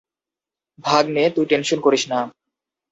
ভাগ্নে, তুই টেনশন করিস না।